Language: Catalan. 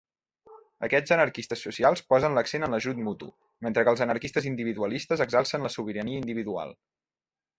Aquests anarquistes socials posen l'accent en l'ajut mutu, mentre que els anarquistes individualistes exalcen la sobirania individual.